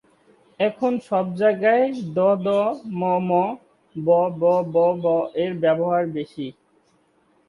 এখন সব জায়গায় দদ/মম/বববব এর ব্যবহার বেশি।